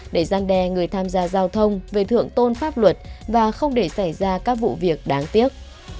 để gian đe người tham gia giao thông về thượng tôn pháp luật và không để xảy ra các vụ việc đáng tiếc